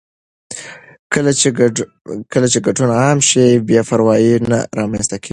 کله چې ګډون عام شي، بې پروايي نه رامنځته کېږي.